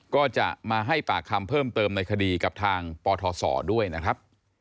ก็จะมาให้ปากคำเพิ่มเติมในคดีกับทางปทศด้วยนะครับ